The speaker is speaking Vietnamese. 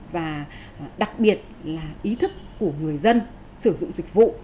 và đặc biệt là ý thức của người dân sử dụng dịch vụ